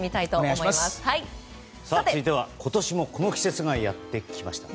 続いては今年もこの季節がやってきました。